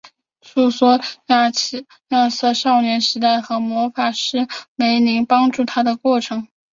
叙述亚瑟的少年时期和魔法师梅林帮助他的过程。